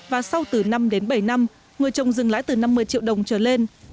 và sau từ năm đến bảy năm người trồng rừng lãi từ năm mươi triệu đồng trở lên